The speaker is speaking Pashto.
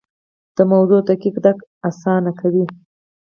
د موضوع دقیق درک اسانه کوي.